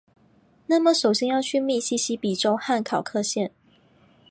那么首先要去密西西比州汉考克县！